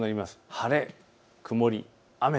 晴れ、曇り、雨。